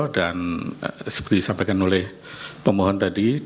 dan seperti disampaikan oleh pemohon tadi